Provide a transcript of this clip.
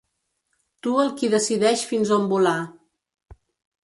Tu el qui decideix fins on volar.